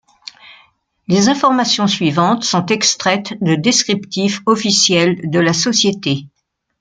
Les informations suivantes sont extraites de descriptif officiel de la société.